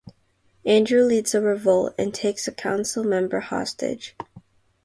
Andrew leads a revolt and takes a Council member hostage.